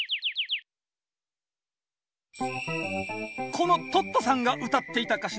このトットさんが歌っていた歌詞の